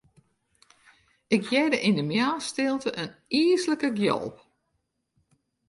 Ik hearde yn 'e moarnsstilte in yslike gjalp.